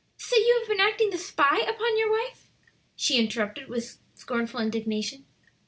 "So you have been acting the spy upon your wife!" she interrupted in scornful indignation.